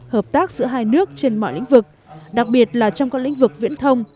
hợp tác giữa hai nước trên mọi lĩnh vực đặc biệt là trong các lĩnh vực viễn thông